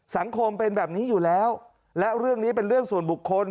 สังคมเป็นแบบนี้อยู่แล้วและเรื่องนี้เป็นเรื่องส่วนบุคคล